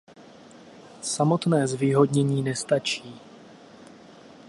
Samotné zvýhodnění nestačí.